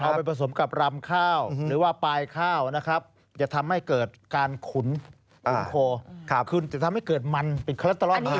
อันนี้หมายถึงใบกับต้นใช่ไหมคะ